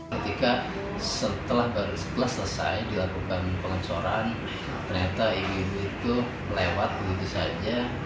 ketika setelah selesai dilakukan pengelancoran ternyata ibu ibu itu melewat begitu saja